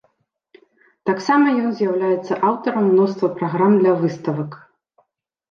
Таксама ён з'яўляецца аўтарам мноства праграм для выставак.